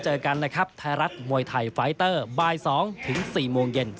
เจอกันนะครับไทยรัฐมวยไทยไฟเตอร์บ่าย๒ถึง๔โมงเย็น